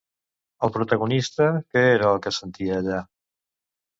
El protagonista, què era el que sentia allà?